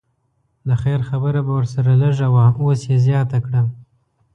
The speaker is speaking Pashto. د خیر خبره به ورسره لږه وه اوس یې زیاته کړه.